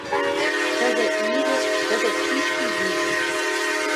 Тӹдӹ ире, тӹдӹ цишти виш.